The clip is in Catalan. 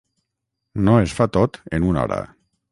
No es fa tot en una hora.